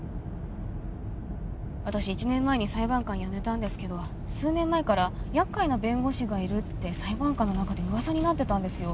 私１年前に裁判官辞めたんですけど数年前から厄介な弁護士がいるって裁判官の中で噂になってたんですよ